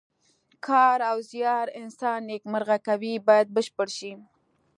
کار او زیار انسان نیکمرغه کوي باید بشپړ شي.